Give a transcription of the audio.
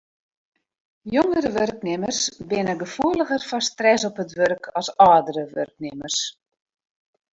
Jongere wurknimmers binne gefoeliger foar stress op it wurk as âldere wurknimmers.